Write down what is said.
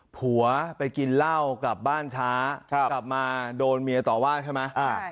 ผัวไปกินเหล้ากลับบ้านช้ากลับมาโดนเมียต่อว่าใช่ไหม